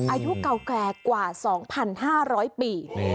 อายุเก่าแก่กว่า๒๕๐๐ปี